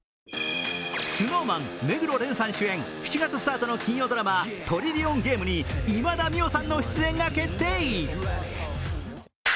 ＳｎｏｗＭａｎ、目黒蓮さん主演７月スタートの金曜ドラマ「トリリオンゲーム」に今田美桜さんの出演が決定。